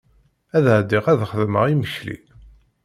Ad ɛeddiɣ ad xedmeɣ imekli.